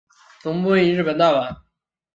总部位于日本大阪。